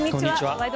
「ワイド！